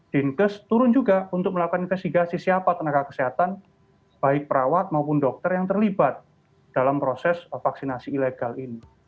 dinkes turun juga untuk melakukan investigasi siapa tenaga kesehatan baik perawat maupun dokter yang terlibat dalam proses vaksinasi ilegal ini